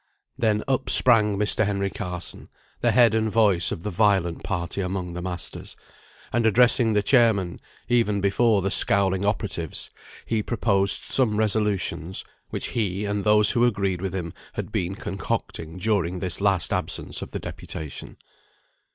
Then up sprang Mr. Henry Carson, the head and voice of the violent party among the masters, and addressing the chairman, even before the scowling operatives, he proposed some resolutions, which he, and those who agreed with him, had been concocting during this last absence of the deputation.